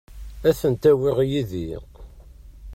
Ad tent-awiɣ yid-i.